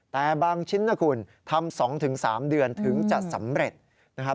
แต่บางชิ้นนะคุณทำ๒๓เดือนถึงจะสำเร็จนะครับ